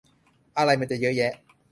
อะไรมันจะเยอะแยะ